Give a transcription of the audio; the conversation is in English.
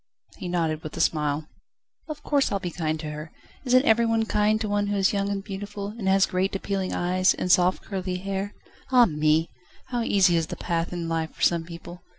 He nodded with a smile. "Of course I'll be kind to her. Isn't every one kind to one who is young and beautiful, and has great, appealing eyes, and soft, curly hair? Ah me! how easy is the path in life for some people!